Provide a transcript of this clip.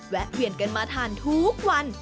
เวียนกันมาทานทุกวัน